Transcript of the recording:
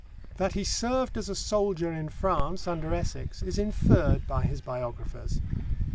That he served as a soldier in France under Essex is inferred by his biographers.